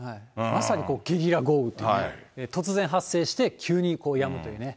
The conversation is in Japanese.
まさにゲリラ豪雨的な、突然発生して、急にやむというね。